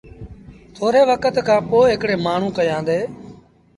ٿوري وکت کآݩ پو هڪڙي مآڻهوٚݩ ڪيآندي۔